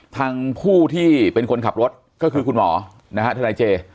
ทางผู้ที่เป็นคนขับรถก็คือคุณหมอนะฮะทนายเจ